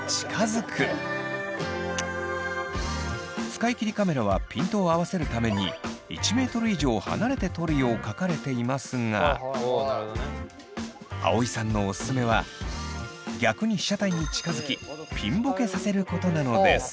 使い切りカメラはピントを合わせるために１ｍ以上離れて撮るよう書かれていますが葵さんのオススメは逆に被写体に近づきピンボケさせることなのです。